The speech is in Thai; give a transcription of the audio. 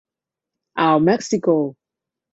อ่าวเม็กซิโก